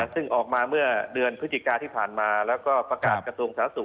ซึ่งออกมาเมื่อเดือนพฤศจิกาที่ผ่านมาแล้วก็ประกาศกระทรวงสาธารณสุข